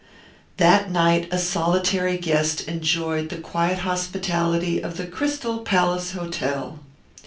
That night a solitary guest enjoyed the quiet hospitality of the Crystal Palace Hotel.